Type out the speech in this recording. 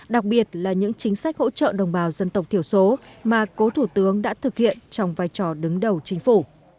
đặc biệt là những chính sách hỗ trợ đồng bào dân tộc thiểu số mà cố thủ tướng đã thực hiện trong vai trò đứng đầu chính phủ